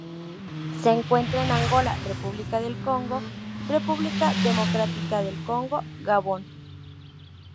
Se encuentra en Angola, República del Congo, República Democrática del Congo, Gabón.